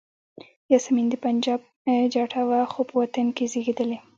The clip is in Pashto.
یاسمین د پنجاب جټه وه خو په وطن کې زیږېدلې.